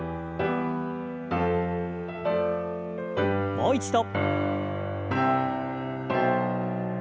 もう一度。